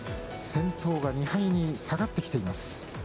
先頭が２敗に下がってきています。